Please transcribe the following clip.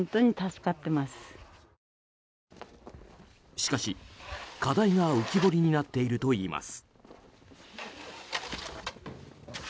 しかし、課題が浮き彫りになっているといいます。